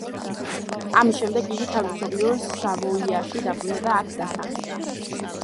ამის შემდეგ იგი თავის მშობლიურ სავოიაში დაბრუნდა და აქ დასახლდა.